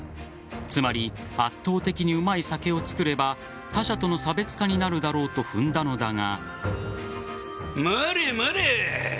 つまり圧倒的にうまい酒を造れば他社との差別化になるだろうと踏んだのだが。